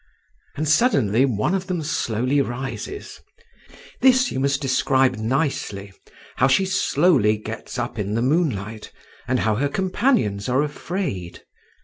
And suddenly one of them slowly rises…. This you must describe nicely: how she slowly gets up in the moonlight, and how her companions are afraid….